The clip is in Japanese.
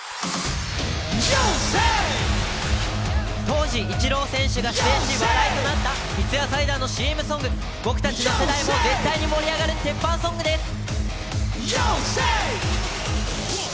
当時、イチロー選手が出演し話題となった三ツ矢サイダーのＣＭソング、僕たちの世代も絶対に盛り上がる鉄板ソングです！